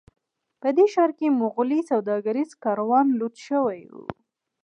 په دې ښار کې مغولي سوداګریز کاروان لوټ شوی و.